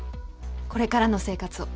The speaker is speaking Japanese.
これからの生活を。